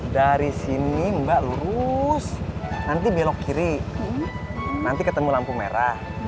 dari sini mbak lurus nanti belok kiri nanti ketemu lampu merah